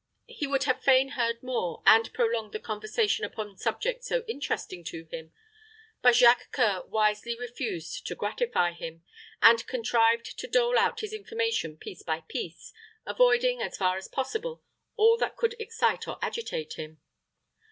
He would have fain heard more, and prolonged the conversation upon subjects so interesting to him, but Jacques C[oe]ur wisely refused to gratify him, and contrived to dole out his information piece by piece, avoiding, as far as possible, all that could excite or agitate him.